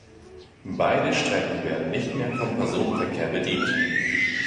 Beide Strecken werden nicht mehr vom Personenverkehr bedient.